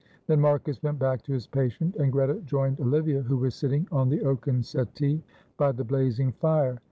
Then Marcus went back to his patient and Greta joined Olivia, who was sitting on the oaken settee by the blazing fire.